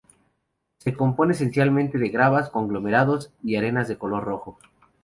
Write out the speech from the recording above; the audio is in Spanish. Se compone esencialmente de gravas, conglomerados y arenas de color rojo.